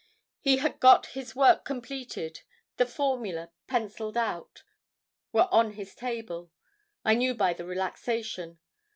He had got his work completed; the formula, penciled out, were on his table. I knew by the relaxation.